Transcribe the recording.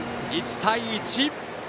１対１。